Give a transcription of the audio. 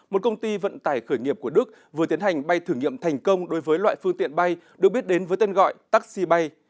một công ty vận tải khởi nghiệp của đức vừa tiến hành bay thử nghiệm thành công đối với loại phương tiện bay được biết đến với tên gọi taxi bay